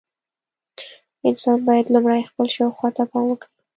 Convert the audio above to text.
انسان باید لومړی خپل شاوخوا ته پام وکړي.